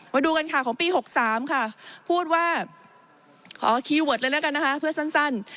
มาดูกันค่ะของปี๖๓ค่ะพูดว่าขอคีย์เวิร์ดเลยแล้วกันนะคะเพื่อสั้น